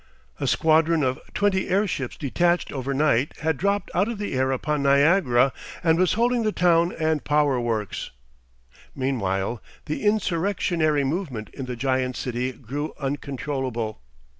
A squadron of twenty airships detached overnight had dropped out of the air upon Niagara and was holding the town and power works. Meanwhile the insurrectionary movement in the giant city grew uncontrollable.